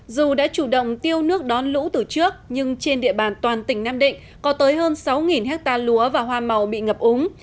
dù đã chủ động tiêu nước đón lũ từ trước nhưng trên địa bàn toàn tỉnh nam định có tới hơn sáu hectare lúa và hoa màu bị ngập úng